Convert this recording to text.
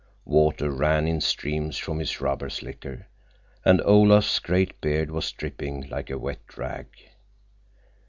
Water ran in streams from his rubber slicker, and Olaf's great beard was dripping like a wet rag.